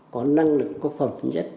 có năng lực có phẩm nhất